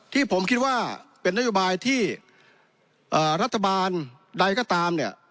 ที่ผมคิดว่าเป็นนโยบายที่รัฐบาลใดก็ตามเนี่ย